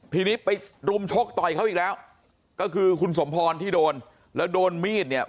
ทีนี้ไปรุมชกต่อยเขาอีกแล้วก็คือคุณสมพรที่โดนแล้วโดนมีดเนี่ย